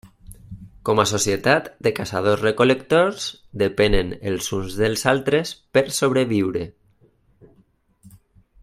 Com a societat de caçadors-recol·lectors depenen els uns dels altres per sobreviure.